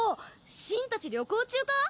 シンたち旅行中か？